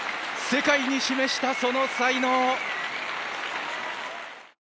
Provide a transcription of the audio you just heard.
世界に示した、その才能。